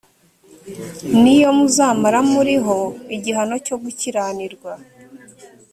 ni yo muzamara muriho igihano cyo gukiranirwa